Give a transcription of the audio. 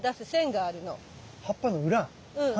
うん。